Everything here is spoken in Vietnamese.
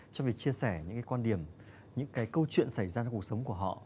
trong việc chia sẻ những quan điểm những câu chuyện xảy ra trong cuộc sống của họ